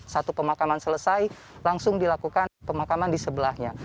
satu pemakaman selesai langsung dilakukan pemakaman di sebelahnya